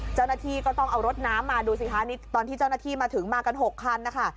เจ้าหน้าที่ก็ต้องเอารถน้ำมาดูสิคะนี่ตอนที่เจ้าหน้าที่มาถึงมากัน๖คันนะคะ